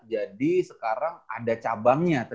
jadi sekarang ada cabangnya